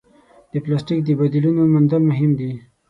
د پلاسټیک د بدیلونو موندل مهم دي.